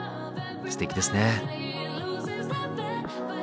すてきですね。